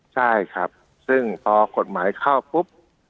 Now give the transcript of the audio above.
ใช่ครับซึ่งพอกฎหมายเข้าปุ๊บ